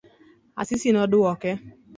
Asisi noduoke.